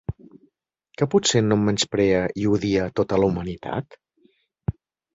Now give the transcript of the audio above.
Que potser no em menysprea i odia tota la humanitat?